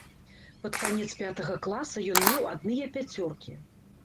Пад канец пятага класа ён меў адныя пяцёркі.